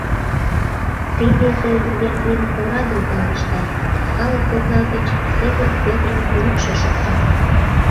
- Тиде тый, Яким, орадым ойлыштат, - калык кокла гыч Сидыр Петрын йӱкшӧ шокта.